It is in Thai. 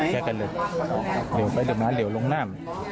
แช่งกันเลยเร็วไปเริ่มน้ำเร็วลงน้ำ